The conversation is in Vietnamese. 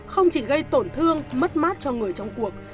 không chỉ gây tổn thương mất mát cho người trong cuộc